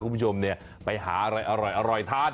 คุณผู้ชมไปหาอะไรอร่อยทาน